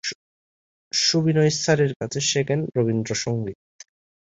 সুবিনয় রায়ের কাছে শেখেন রবীন্দ্র সঙ্গীত।